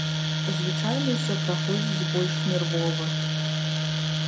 Звычайна ўсё праходзіць больш нервова.